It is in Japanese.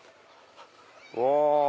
うわ！